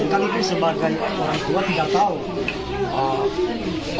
kami sebagai orang tua tidak tahu